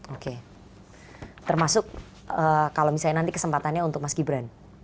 oke termasuk kalau misalnya nanti kesempatannya untuk mas gibran